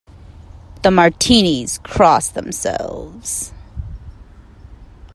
The Martinis cross themselves.